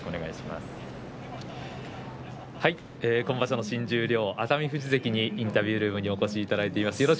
今場所の新十両熱海富士関にインタビュールームにお越しいただいています。